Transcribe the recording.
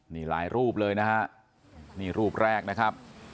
นี่หลายรูปเลยนะฮะนี่รูปแรกนะครับ